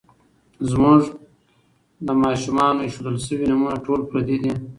مونږ ایخي مـاشومـانو لـه نومـونه ټول پردي دي